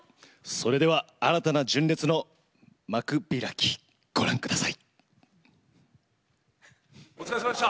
それでは新たな純烈の幕開きご覧ください。